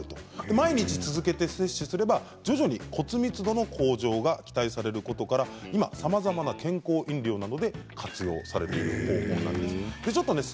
毎日続けて摂取すれば徐々に骨密度の向上が期待されることから今さまざまな健康飲料などで活用されている方法です。